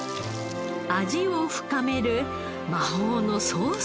味を深める魔法のソースとは？